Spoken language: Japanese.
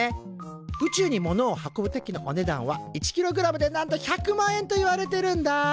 宇宙にものを運ぶ時のお値段は１ｋｇでなんと１００万円といわれてるんだ。